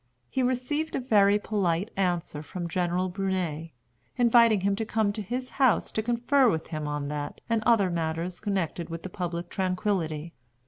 He received a very polite answer from General Brunet, inviting him to come to his house to confer with him on that and other matters connected with the public tranquillity.